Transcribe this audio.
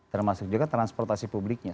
termasuk juga transportasi publiknya